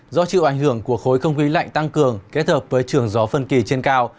do chịu ảnh hưởng của khối không khí lạnh tăng cường kết hợp với trường gió phân kỳ trên cao